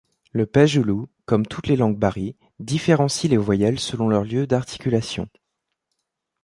Le pöjulu, comme toutes les langues bari, différencie les voyelles selon leur lieu d'articulation.